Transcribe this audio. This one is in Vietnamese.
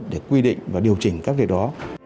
để quy định và điều chỉnh các việc đó